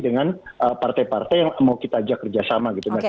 dengan partai partai yang mau kita ajak kerjasama gitu